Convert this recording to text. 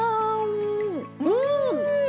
うん！